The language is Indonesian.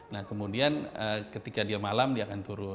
nah kemudian ketika dia malam dia akan turun